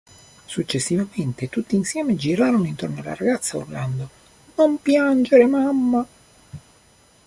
Successivamente, tutti insieme girarono intorno alla ragazza, urlando "non piangere Mamma!".